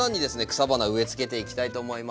草花植えつけていきたいと思います。